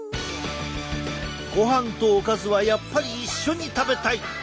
ごはんとおかずはやっぱり一緒に食べたい！